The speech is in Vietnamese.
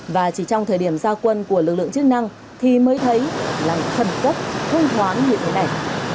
và chỉ trong thời điểm gia quân của lực lượng chức năng thì mới thấy là khẩn cấp thông thoáng như thế này